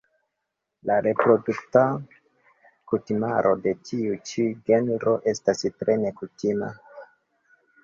La reprodukta kutimaro de tiu ĉi genro estas tre nekutima.